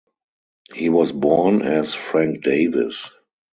He was born as Frank Davis.